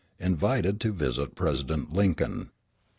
Invited to visit President Lincoln.